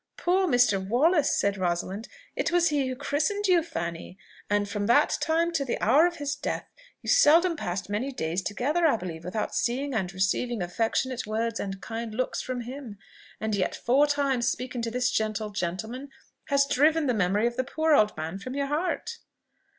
"Poor Mr. Wallace!" said Rosalind. "It was he who christened you, Fanny; and from that time to the hour of his death, you seldom passed many days together, I believe, without seeing and receiving affectionate words and kind looks from him: and yet four times speaking to this gentle gentleman has driven the memory of the poor old man from your heart!"